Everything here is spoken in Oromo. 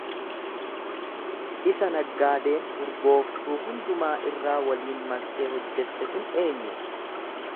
isa naggaadeen urgooftuu hundumaa irraa waliin maktee hojjette kun eenyu?